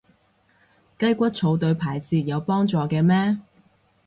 雞骨草對排泄有幫助嘅咩？